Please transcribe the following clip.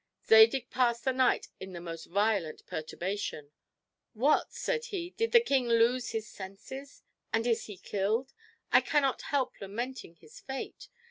Zadig passed the night in the most violent perturbation. "What," said he, "did the king lose his senses? and is he killed? I cannot help lamenting his fate.